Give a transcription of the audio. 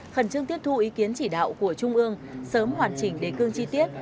khẩn trương tiếp thu ý kiến chỉ đạo của trung ương sớm hoàn chỉnh đề cương chi tiết